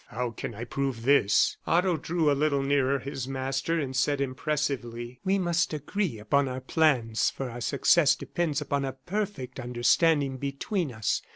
"How can I prove this?" Otto drew a little nearer his master, and said, impressively: "We must agree upon our plans, for our success depends upon a perfect understanding between us.